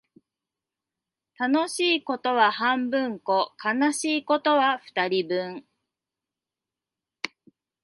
楽しいことは半分こ、悲しいことは二人分